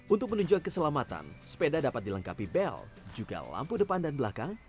untuk menunjukkan keselamatan sepeda dapat dilengkapi bel juga lampu depan dan belakang